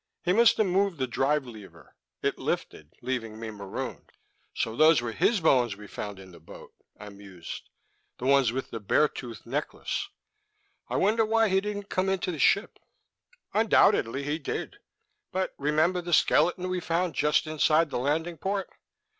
He must have moved the drive lever. It lifted, leaving me marooned." "So those were his bones we found in the boat," I mused, "the ones with the bear's tooth necklace. I wonder why he didn't come into the ship." "Undoubtedly he did. But remember the skeleton we found just inside the landing port?